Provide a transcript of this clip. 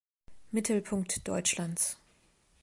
Mittelpunkt Deutschlands